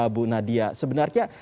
bu nadia sebenarnya